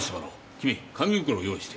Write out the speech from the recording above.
君紙袋を用意して。